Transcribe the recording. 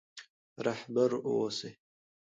رهبر اوسئ.